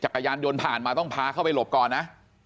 จักรยานยนต์ผ่านมาต้องพาเข้าไปหลบก่อนนะ